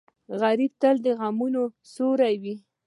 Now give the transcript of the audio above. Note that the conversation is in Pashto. غریب تل د غمونو سیوری وي